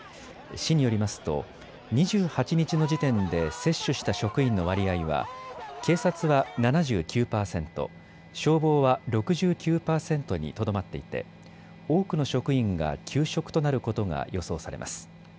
市によりますと２８日の時点で接種した職員の割合は警察は７９％、消防は６９％にとどまっていて多くの職員が休職となることが予想されます。